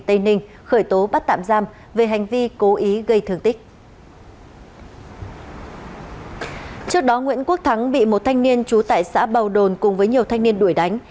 trước đó nguyễn quốc thắng bị một thanh niên trú tại xã bào đồn cùng với nhiều thanh niên đuổi đánh